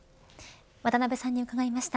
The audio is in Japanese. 渡辺さんに伺いました。